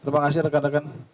terima kasih rekan rekan